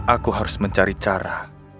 aku harus mencari cara